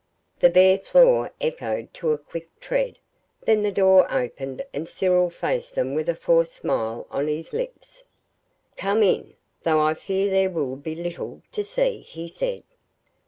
The bare floor echoed to a quick tread, then the door opened and Cyril faced them with a forced smile on his lips. "Come in though I fear there will be little to see," he said.